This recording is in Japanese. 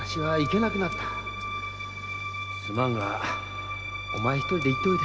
すまんがお前一人で行っておいで。